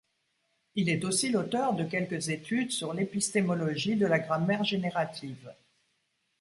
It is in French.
Il est aussi l'auteur de quelques études sur l'épistémologie de la grammaire générative.